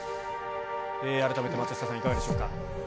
改めて松下さん、いかがでしょうか。